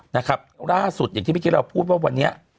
นะครับล่าสุดอย่างที่เมื่อกี้เราพูดว่าวันนี้